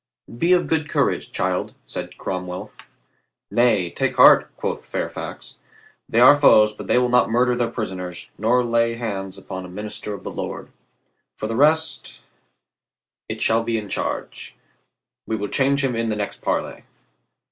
"Be of good courage, child," said Cromwell. "Nay, take heart," quoth Fairfax. "They are foes, but they will not murder their prisoners, nor lay hands upon a minister of the Lord. For the rest — it shall be in charge. We will change him in the next parley."